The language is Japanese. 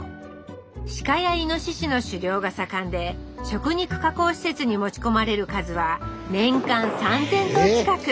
鹿やイノシシの狩猟が盛んで食肉加工施設に持ち込まれる数は年間３，０００頭近く。